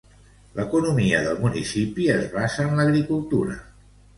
L'economia del municipi es basa en l'agricultura.